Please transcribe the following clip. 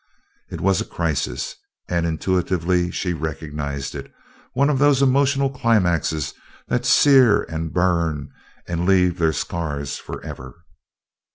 It was a crisis, and intuitively she recognized it one of those emotional climaxes that sear and burn and leave their scars forever.